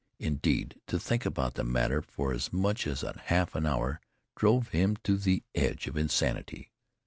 Indeed, to think about the matter for as much as a half an hour drove him to the edge of insanity.